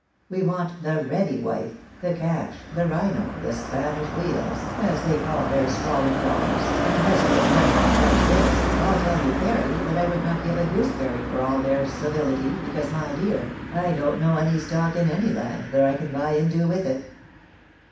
We want the ready, wife— the cash, the rhino, the Spanish wheels, as they call their sprawling dollars, and, unless you can manage to clutch this, I'll tell you fairly that I would not give a gooseberry for all their civility, because, my dear, I don't know any stock in any land that I can buy into with it."